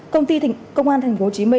công ty công an tp hcm